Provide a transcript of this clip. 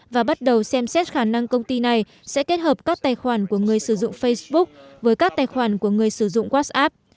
và bắt đầu xem xét khả năng công ty này sẽ kết hợp các tài khoản của người sử dụng facebook với các tài khoản của người sử dụng what app